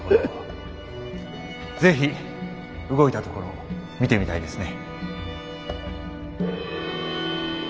是非動いたところを見てみたいですね。